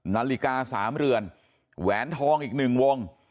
นาฬิกา๓เรือนแหวนทองอีก๑วง